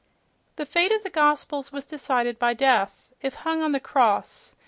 —The fate of the Gospels was decided by death—it hung on the "cross."...